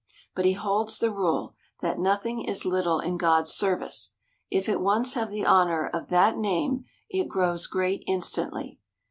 But he holds the rule, that nothing is little in God's service : if it once have the honor of that name, it grows great instantly.